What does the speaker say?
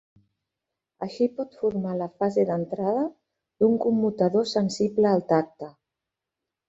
Així pot formar la fase d'entrada d'un commutador sensible al tacte.